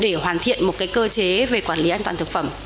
để hoàn thiện một cơ chế về quản lý an toàn thực phẩm